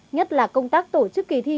nhất là công tác tổ chức kỳ thi